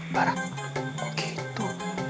barak kok gitu